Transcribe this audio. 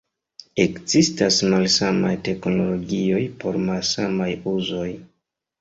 Ekzistas malsamaj teknologioj por malsamaj uzoj.